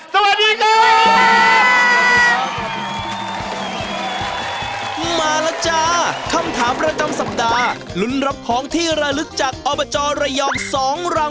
สวัสดีค่ะ